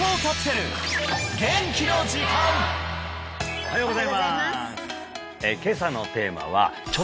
おはようございます